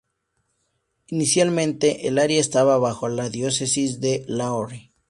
Inicialmente, el área estaba bajo la Diócesis de Lahore.